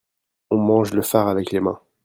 on mange le far avec les mains.